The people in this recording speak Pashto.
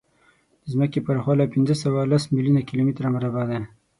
د ځمکې پراخوالی پینځهسوهلس میلیونه کیلومتره مربع دی.